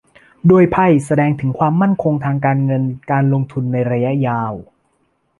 ด้วยไพ่แสดงถึงความมั่นคงทางการเงินการลงทุนในระยะยาว